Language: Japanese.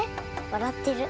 わらってる。